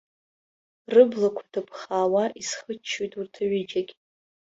Рыблақәа ҭыԥхаауа исхыччоит урҭ аҩыџьагь.